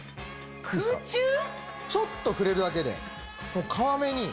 ちょっと触れるだけで皮目に。